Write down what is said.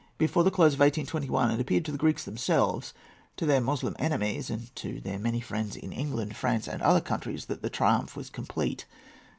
Before the close of 1821, it appeared to the Greeks themselves, to their Moslem enemies, and to their many friends in England, France, and other countries, that the triumph was complete.